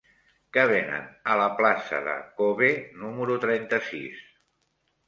Què venen a la plaça de K-obe número trenta-sis?